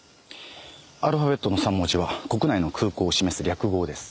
アルファベットの３文字は国内の空港を示す略号です。